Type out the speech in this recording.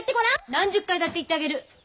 何十回だって言ってあげる。